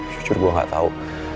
jujur gue gak tau